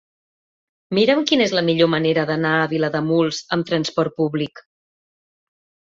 Mira'm quina és la millor manera d'anar a Vilademuls amb trasport públic.